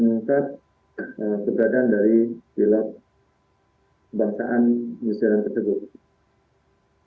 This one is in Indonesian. nah keberadaan dari pilot bangsaan musim tersebut